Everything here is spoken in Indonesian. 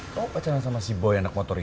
kamu pacaran sama si boy